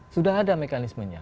sudah ada mekanismenya